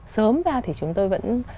sớm ra thì chúng tôi vẫn